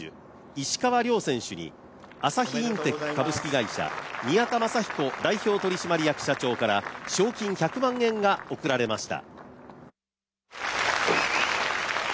石川遼選手に朝日インテック株式会社代表取締役社長から賞金１００万円が贈られました。